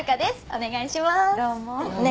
お願いします。